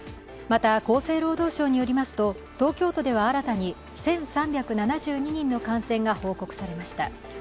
また、厚生労働省によりますと、東京都では新たに１３７２人の感染が報告されました。